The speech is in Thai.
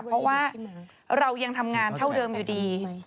เพราะว่าเรายังทำงานเท่าเดิมอยู่ดี